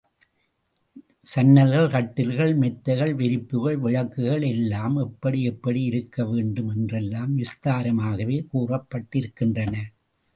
சன்னல்கள், கட்டில்கள், மெத்தைகள், விரிப்புகள், விளக்குகள் எல்லாம் எப்படி எப்படி இருக்க வேண்டும் என்றெல்லாம் விஸ்தாரமாகவே கூறப்பட்டிருக்கின்றன.